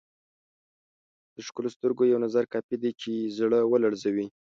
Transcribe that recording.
د ښکلو سترګو یو نظر کافي دی چې زړه ولړزوي.